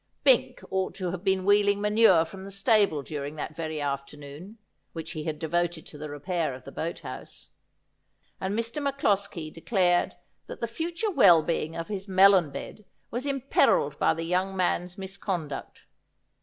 Bink ought to have been wheeling manure from the stable dur ing that very afternoon which he had devoted to the repair of the boat house ; and Mr. MacCloskie declared that the future well being of his melon bed was imperilled by the young man's misconduct.